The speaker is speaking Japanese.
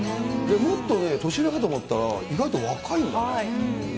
もっとね、年上かと思ったら、意外と若いんだね。